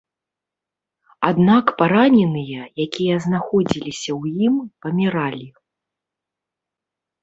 Аднак параненыя, якія знаходзіліся ў ім, паміралі.